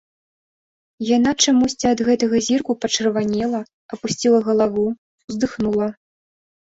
Яна чамусьці ад гэтага зірку пачырванела, апусціла галаву, уздыхнула.